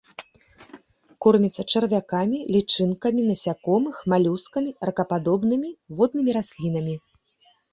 Корміцца чарвямі, лічынкамі насякомых, малюскамі, ракападобнымі, воднымі раслінамі.